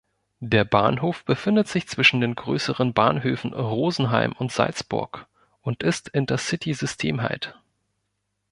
Der Bahnhof befindet sich zwischen den größeren Bahnhöfen Rosenheim und Salzburg und ist Intercity-Systemhalt.